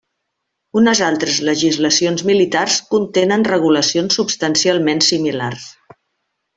Unes altres legislacions militars contenen regulacions substancialment similars.